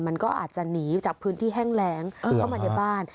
มันก็อาจจะหนีจากพื้นที่แห้งแรงเข้ามาในบ้าน